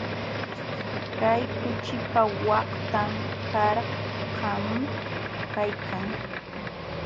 Kay kuchipa waqtan karkam kaykan.